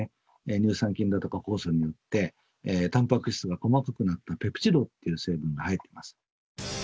乳酸菌だとか酵素によってたんぱく質が細かくなったペプチドっていう成分が入ってます